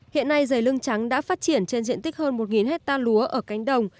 hiện nay dày lưng trắng đã phát triển trên diện tích hơn một hectare lúa ở cánh đồng